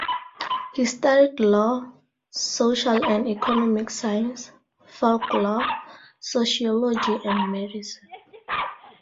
He studied law, social and economic science, folklore, sociology and medicine.